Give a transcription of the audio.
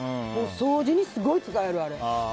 掃除にすごい使える、あれ。